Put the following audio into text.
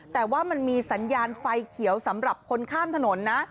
แต่ว่ามันมีสัญญาณไฟเขียวสำหรับคนข้ามถนนนะ